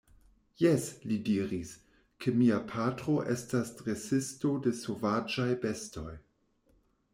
Jes, li diris, ke mia patro estas dresisto de sovaĝaj bestoj.